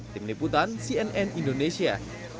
tim liputan cnn indonesia